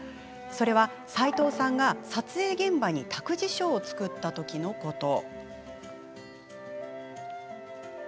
それは、斎藤さんが撮影現場に託児所を作ったときのこと。